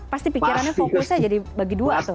pasti pikirannya fokusnya jadi bagi dua tuh